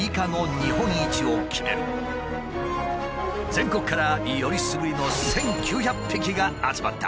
全国からよりすぐりの１，９００匹が集まった。